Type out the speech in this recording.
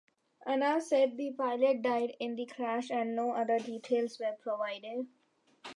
Anas said the pilot died in the crash and no other details were provided.